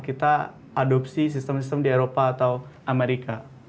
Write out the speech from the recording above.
kita adopsi sistem sistem di eropa atau amerika